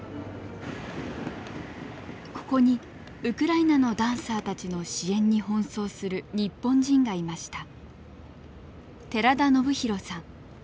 ここにウクライナのダンサーたちの支援に奔走する日本人がいました。